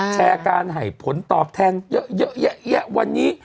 แชร์การให้ผลตอบแทนเยอะแยะวันนี้